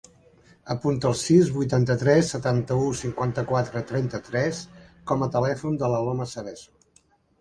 Apunta el sis, vuitanta-tres, setanta-u, cinquanta-quatre, trenta-tres com a telèfon de l'Aloma Cerezo.